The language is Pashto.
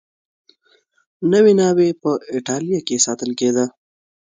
نوې ناوې په اېټالیا کې ساتل کېده.